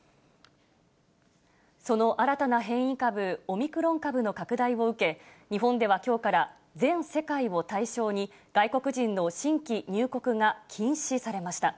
その新たな変異株、オミクロン株の拡大を受け、日本ではきょうから、全世界を対象に、外国人の新規入国が禁止されました。